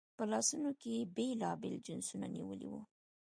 په لاسونو کې یې بېلابېل جنسونه نیولي وو.